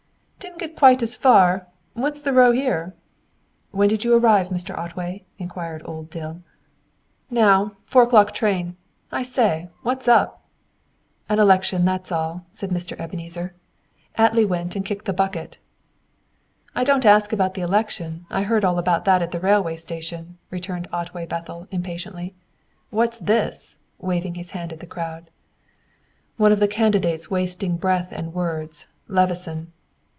"Didn't get quite as far. What's the row here?" "When did you arrive, Mr. Otway?" inquired old Dill. "Now. Four o'clock train. I say, what's up?" "An election; that's all," said Mr. Ebenezer. "Attley went and kicked the bucket." "I don't ask about the election; I heard all that at the railway station," returned Otway Bethel, impatiently. "What's this?" waving his hand at the crowd. "One of the candidates wasting breath and words Levison."